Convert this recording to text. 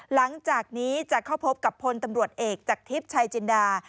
หลังจากนี้จะเข้าพบกับพลตำรวจเอกจากทิพย์ชายจินดา